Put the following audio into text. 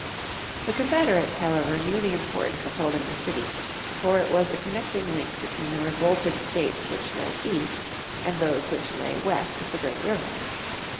The Confederates, however, knew the importance of holding the city, for it was the connecting link between the revolted states which lay east and those which lay west of the great river.